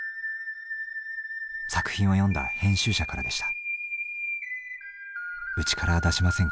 作品を読んだ編集者からでした。